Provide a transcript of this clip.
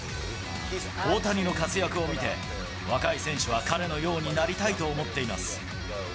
大谷の活躍を見て、若い選手は彼のようになりたいと思っています。